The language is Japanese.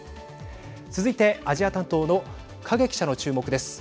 続いて、アジア担当の影記者の注目です。